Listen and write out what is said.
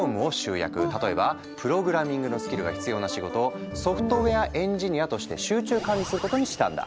例えばプログラミングのスキルが必要な仕事をソフトウェアエンジニアとして集中管理することにしたんだ。